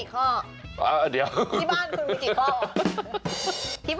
คุณมีกี่ข้อ